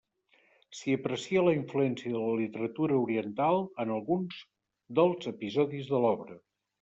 S'hi aprecia la influència de la literatura oriental en alguns dels episodis de l'obra.